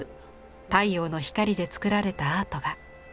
太陽の光で作られたアートが。